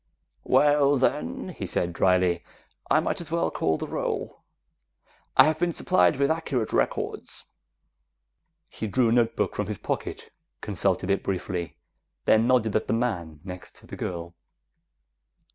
"Well, then," he said dryly, "I might as well call the roll. I have been supplied with accurate records." He drew a notebook from his pocket, consulted it briefly, then nodded at the man next to the girl.